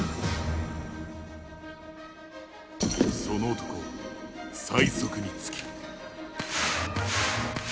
その男最速につき。